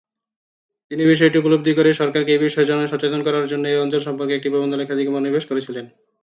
তিনি বিষয়টি উপলব্ধি করে সরকারকে এ বিষয়ে সচেতন করার জন্য এ অঞ্চল সম্পর্কে একটি প্রবন্ধ লেখার দিকে মনোনিবেশ করেছিলেন।